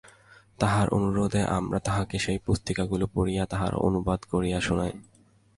তাঁহার অনুরোধে আমরা তাঁহাকে সেই পুস্তিকাগুলি পড়িয়া তাহার অনুবাদ করিয়া শুনাই।